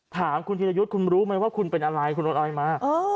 ถามคุณธีรยุทธ์คุณรู้ไหมว่าคุณเป็นอะไรคุณโดนอะไรมา